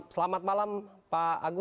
selamat malam pak agus